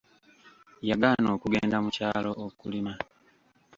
Yagaana okugenda mukyalo okulima.